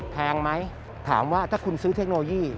แพงไหมถามว่าถ้าคุณซื้อเทคโนโลยี